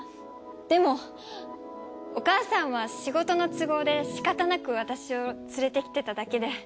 でもお母さんは仕事の都合でしかたなく私を連れてきてただけで。